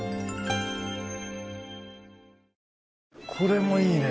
これもいいね。